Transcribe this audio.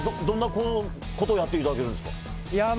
どんなことをやっていただけるんですか？